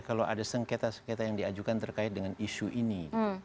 kalau ada sengketa sengketa yang diajukan terkait dengan isu ini